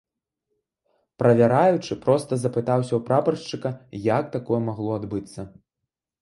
Правяраючы проста запытаўся ў прапаршчыка, як такое магло адбыцца.